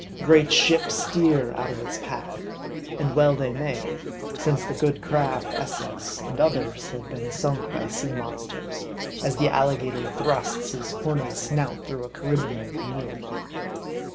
Great ships steer out of its path. And well they may ; since the good craft Essex, and others, have been sunk by sea monsters, as the alligator thrusts his horny snout through a Carribean canoe.